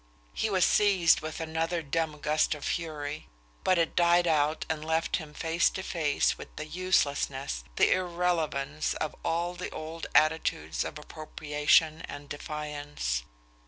He was seized with another dumb gust of fury; but it died out and left him face to face with the uselessness, the irrelevance of all the old attitudes of appropriation and defiance.